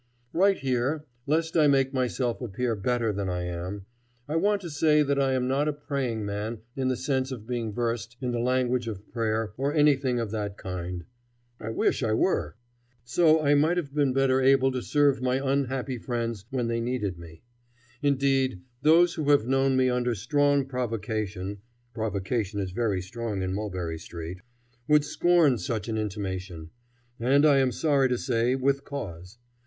Right here, lest I make myself appear better than I am, I want to say that I am not a praying man in the sense of being versed in the language of prayer or anything of that kind. I wish I were. So, I might have been better able to serve my unhappy friends when they needed me. Indeed, those who have known me under strong provocation provocation is very strong in Mulberry Street would scorn such an intimation, and, I am sorry to say, with cause.